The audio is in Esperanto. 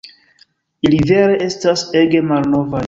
Ili vere estas ege malnovaj